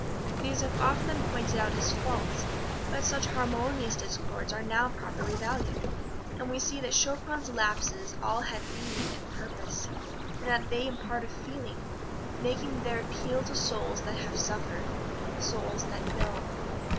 These have often been pointed out as faults, but such harmonious discords are now properly valued, and we see that Chopin's lapses all had meaning and purpose, in that they impart a feeling making their appeal to souls that have suffered souls that know.